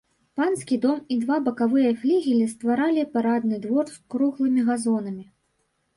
Панскі дом і два бакавыя флігелі стваралі парадны двор з круглымі газонамі.